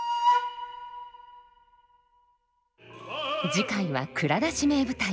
次回は「蔵出し！名舞台」。